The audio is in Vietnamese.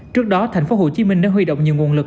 trước đó tp hcm đã huy động nhiều nguồn lực